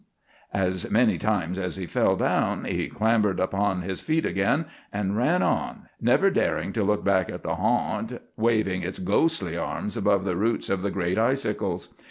As many times as he fell down he clambered upon his feet again, and ran on, never daring to look back at the "harnt" waving its ghostly arms above the roots of the great icicles.